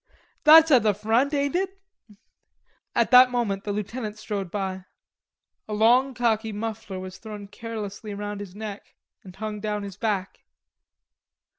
"That's at the front, ain't it?" At that moment the lieutenant strode by. A long khaki muffler was thrown carelessly round his neck and hung down his back.